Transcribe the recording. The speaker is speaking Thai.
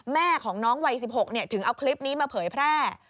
แม่ของน้องวัย๑๖ถึงเอาคลิปนี้มาเผยแพร่